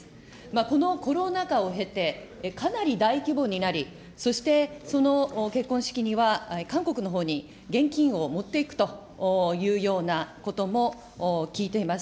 このコロナ禍を経て、かなり大規模になり、そしてその結婚式には、韓国のほうに現金を持っていくというようなことも聞いています。